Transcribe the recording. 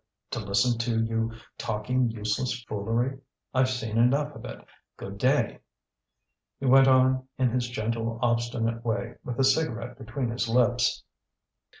To listen to you talking useless foolery? I've seen enough of it. Good day." He went off in his gentle, obstinate way, with a cigarette between his lips.